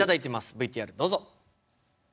ＶＴＲどうぞ。